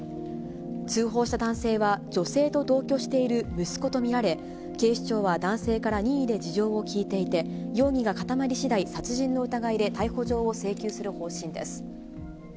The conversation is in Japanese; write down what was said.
通報した男性は女性と同居している息子と見られ、警視庁は男性から任意で事情を聴いていて、容疑が固まりしだい、殺人の疑いで逮捕状を請求する方針です。